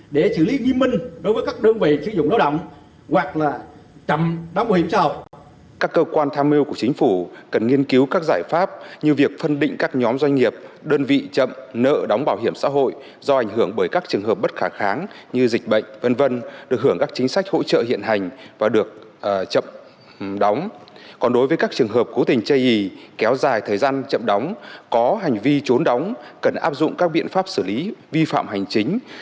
để xử lý nghiêm minh đối với các đơn vị sử dụng lao động hoặc là chậm nộp bảo hiểm xã hội